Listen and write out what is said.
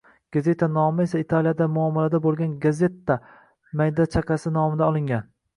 «Gazeta» nomi esa Italiyada muomalada bo‘lgan «gazzetta» mayda chaqasi nomidan olingan.